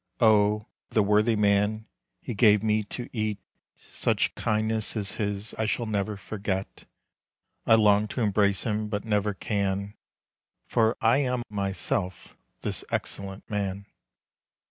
Oh, the worthy man! he gave me to eat; Such kindness as his I shall never forget. I long to embrace him, but never can, For I am myself this excellent man.